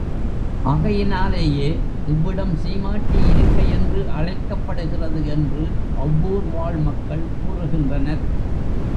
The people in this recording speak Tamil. ஆகையினாலேயே இவ்விடம் சீமாட்டி இருக்கை என்று அழைக்கப்படுகிறது என்று அவ்வூர் வாழ் மக்கள் கூறுகின்றனர்.